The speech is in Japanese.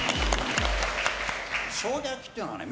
ショウガ焼きっていうのはね